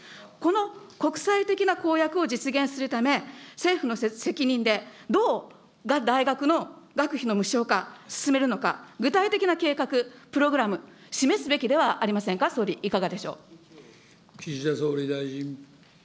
この国際的な公約を実現するため、政府の責任でどう大学の学費の無償化、進めるのか、具体的な計画、プログラム、示すべきではありませんか、総理いかがでしょう。